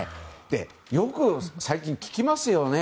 よく最近、聞きますよね。